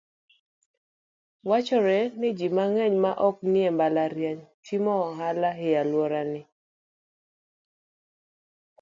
Wachore ni ji mang'eny ma oknie mbalariany, timo ohala e alworani.